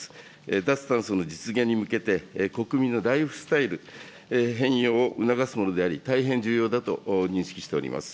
脱炭素の実現に向けて、国民のライフスタイル変容を促すものであり、大変重要だと認識しております。